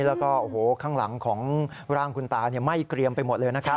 แล้วก็โอ้โหข้างหลังของร่างคุณตาไหม้เกรียมไปหมดเลยนะครับ